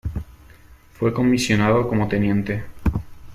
Fue comisionado como teniente.